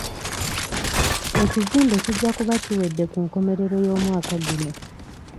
Ekizimbe kijja kuba kiwedde ku nkomerero y'omwaka guno.